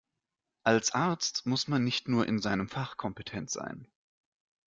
Als Arzt muss man nicht nur in seinem Fach kompetent sein.